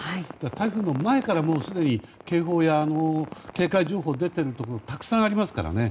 台風の前から、すでに警報や警戒情報が出ているところたくさんありますからね。